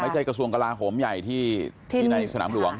ใจกระทรวงกลาโหมใหญ่ที่ในสนามหลวง